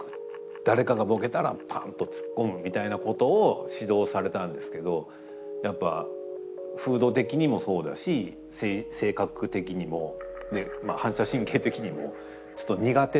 誰かがボケたらパンとツッコむみたいなことを指導されたんですけどやっぱ風土的にもそうだし性格的にも反射神経的にもちょっと苦手だったんで。